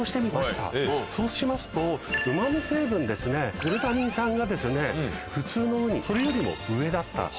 そうしますとうま味成分グルタミン酸が普通のウニそれよりも上だった。